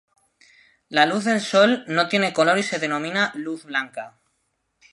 La luz del sol no tiene color y se denomina "luz blanca".